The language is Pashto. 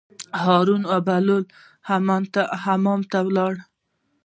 هارون او بهلول حمام ته لاړل.